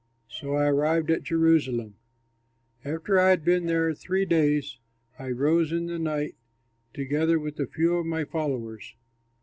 So I arrived at Jerusalem. After I had been there three days I rose in the night, together with a few of my followers.